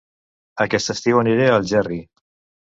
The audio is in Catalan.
Aquest estiu aniré a Algerri